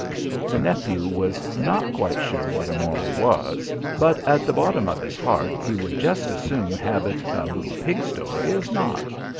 The nephew was not quite sure what a moral was; but at the bottom of his heart he would just as soon have it a little pig story as not.